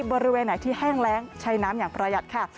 บริเวณไหนที่แห้งแรงใช้น้ำอย่างประหยัดค่ะ